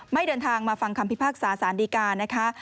เดินทางมาฟังคำพิพากษาสารดีการนะคะ